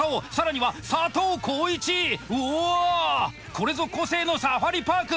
これぞ個性のサファリパーク！